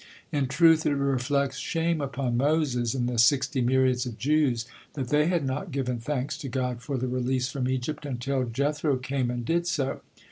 In truth, it reflects shame upon Moses and the sixty myriads of Jews that they had not given thanks to God for the release from Egypt, until Jethro came and did so.